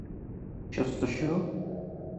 شست وشو